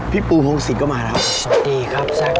พี่ปูพงศิษย์ก็มาแล้วครับสวัสดีครับแซ็คโอ้โฮ